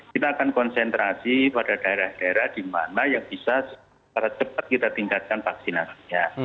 kita akan konsentrasi pada daerah daerah di mana yang bisa secara cepat kita tingkatkan vaksinasinya